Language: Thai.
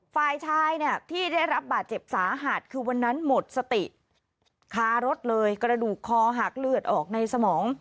ฝ่ายชายเนี่ยที่ได้รับบาดเจ็บสาหัสคือวันนั้นหมดสติคารถเลยกระดูกคอหักเลือดออกในสมอง